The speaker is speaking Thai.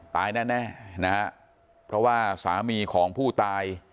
ตายแน่นะฮะเพราะว่าสามีของผู้ตาย